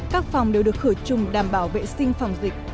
các phòng đều được khởi chung đảm bảo vệ sinh phòng dịch